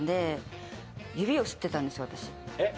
えっ？